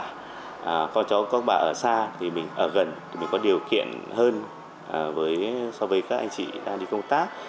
con cháu của các ông bà ở xa thì mình ở gần thì mình có điều kiện hơn so với các anh chị đang đi công tác